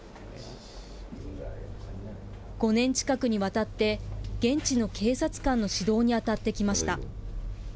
５年近くにわたって、現地の警察官の指導に当たってきました。